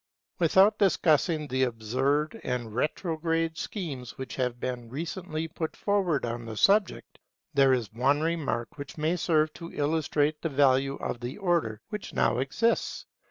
Without discussing the absurd and retrograde schemes which have been recently put forward on the subject, there is one remark which may serve to illustrate the value of the order which now exists.